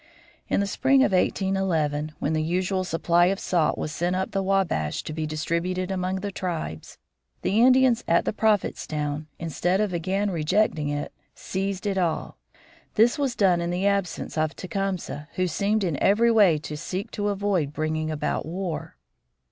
In the spring of 1811, when the usual supply of salt was sent up the Wabash to be distributed among the tribes, the Indians at the Prophet's town, instead of again rejecting it, seized it all. This was done in the absence of Tecumseh, who seemed in every way to seek to avoid bringing about war.